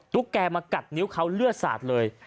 ตุ๊กแก่มากัดนิ้วเค้าเลือดสาบเลย